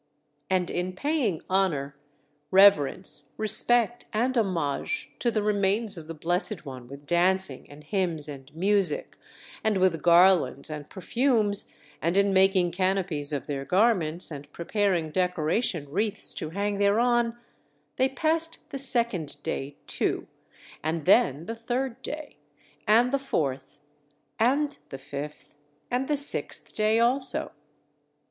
And in paying honor, reverence, respect, and homage to the remains of the Blessed One with dancing, and hymns, and music, and with garlands and perfumes; and in making canopies of their garments, and preparing decoration wreaths to hang thereon, they passed the second day too, and then the third day, and the fourth, and the fifth, and the sixth day also.